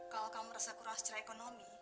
kalau kamu merasa kurang secara ekonomi